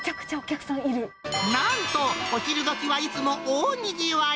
なんとお昼どきはいつも大にぎわい。